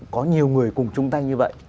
có nhiều người cùng chung tay như vậy